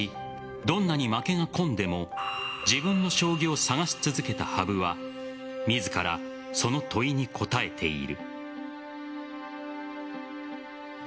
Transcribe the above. どんなに負けが込んでも自分の将棋を探し続けた羽生は自らその問いに答えている。